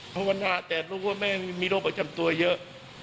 ภาวนาแต่รู้ว่าแม่มีโรคประจำตัวเยอะ